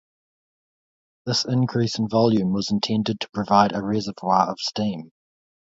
This increase in volume was intended to provide a reservoir of steam.